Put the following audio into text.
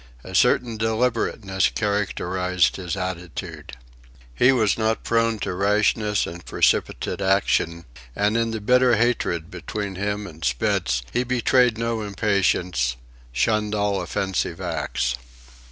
A certain deliberateness characterized his attitude. He was not prone to rashness and precipitate action; and in the bitter hatred between him and Spitz he betrayed no impatience, shunned all offensive acts.